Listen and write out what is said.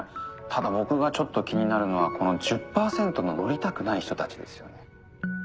ただ僕がちょっと気になるのはこの１０％の乗りたくない人たちですよね。